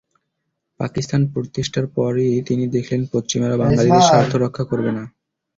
পাকিস্তান প্রতিষ্ঠার পরই তিনি দেখলেন, পশ্চিমারা বাঙালিদের স্বার্থ রক্ষা করবে না।